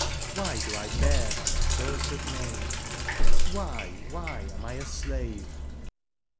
Why do I bear that cursed name ? Why, why am I a slave